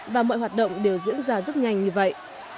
và mọi hoạt động đều diễn ra rất nhanh như vậy